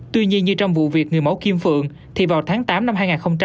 tuy nhiên như trong vụ việc người mẫu kim phượng thì vào tháng tám năm hai nghìn hai mươi ba